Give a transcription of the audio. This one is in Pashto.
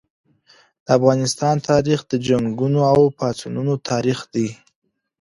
د افغانستان تاریخ د جنګونو او پاڅونونو تاریخ دی.